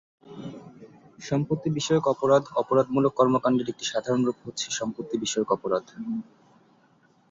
সম্পত্তি বিষয়ক অপরাধ অপরাধমূলক কর্মকান্ডের একটি সাধারণ রূপ হচ্ছে সম্পত্তি বিষয়ক অপরাধ।